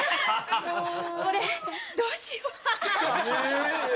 オレどうしよう。